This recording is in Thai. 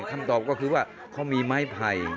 คำตอบก็คือว่าเขามีไม้ไผ่